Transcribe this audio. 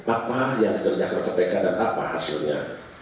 apa yang dikerjakan kpk dan apa hasilnya